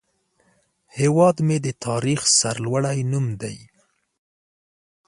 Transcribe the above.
هیواد مې د تاریخ سرلوړی نوم دی